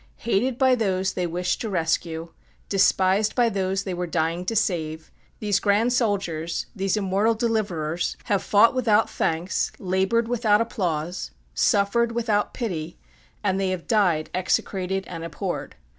Hated by those they wished to rescue, despised by those they were dying to save, these grand soldiers, these immortal deliverers, have fought without thanks, labored without applause, suffered without pity, and they have died execrated and abhorred.